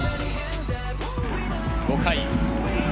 ５回。